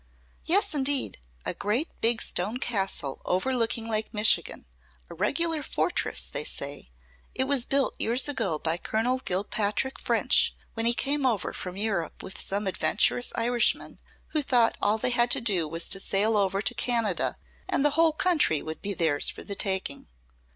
"Yes, indeed! A great big stone castle overlooking Lake Michigan, a regular fortress, they say. It was built years ago by Colonel Gilpatrick French, when he came over from Europe with some adventurous Irishmen who thought all they had to do was to sail over to Canada and the whole country would be theirs for the taking."